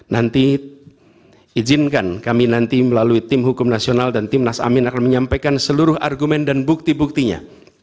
nanti izinkan kami nanti melalui tim hukum nasional dan timnas amin akan menyampaikan seluruh argumen dan bukti buktinya